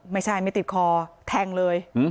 ไม่ใช่ไม่ติดคอแทงเลย